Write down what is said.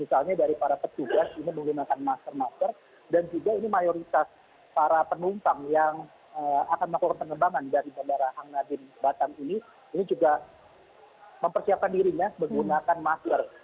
misalnya dari para petugas ini menggunakan masker masker dan juga ini mayoritas para penumpang yang akan melakukan penerbangan dari bandara hang nadiem batam ini ini juga mempersiapkan dirinya menggunakan masker